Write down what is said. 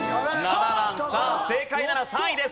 さあ正解なら３位です。